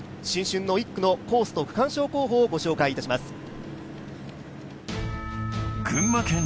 新春の１区のコースと区間賞候補を御紹介します。